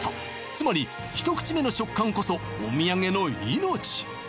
つまり一口目の食感こそお土産の命